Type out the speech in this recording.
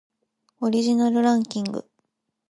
オリジナルランキング